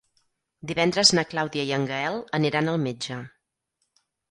Divendres na Clàudia i en Gaël aniran al metge.